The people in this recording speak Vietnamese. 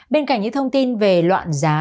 bên cạnh những thông tin về loạn giá